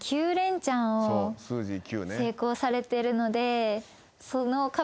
成功されてるので。